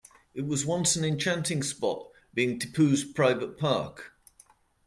It was once an enchanting spot, being Tipu's private park.